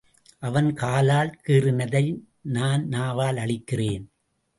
அவன் காலால் கீறினதை நான் நாவால் அழிக்கிறேன்.